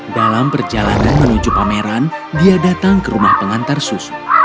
dalam perjalanan menuju pameran dia datang ke rumah pengantar susu